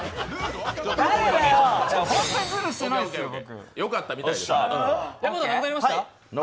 ホントにズルしてないですよ、僕。